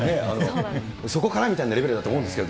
そこからみたいなレベルだと思いますが。